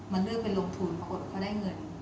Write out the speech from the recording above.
มันเลือกไปลงทุนปรากฏว่าเขาได้เงิน